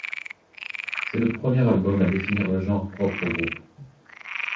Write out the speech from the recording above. C'est le premier album à définir le genre propre au groupe.